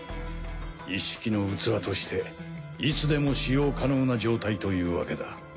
イッシキの器としていつでも使用可能な状態というわけだ。